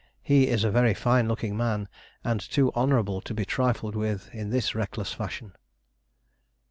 He is a very fine looking man, and too honorable to be trifled with in this reckless fashion.